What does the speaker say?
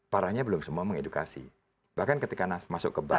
parahnya belum semua mengedukasi bahkan ketika masuk ke bank